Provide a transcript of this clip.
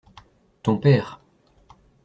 Ton père.